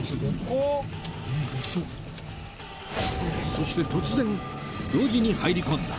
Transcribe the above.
そして突然路地に入り込んだ